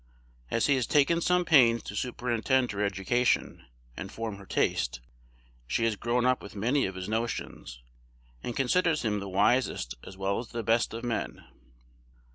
As he has taken some pains to superintend her education, and form her taste, she has grown up with many of his notions, and considers him the wisest as well as the best of men.